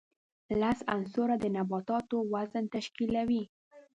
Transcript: لس عنصره د نباتاتو وزن تشکیلوي.